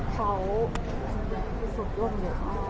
แต่ว่าร่างกายมันไม่ไหล